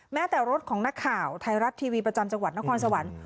แม้แต่รถของนักข่าวไทยรัฐทีวีประจำจังหวัดนครสวรรค์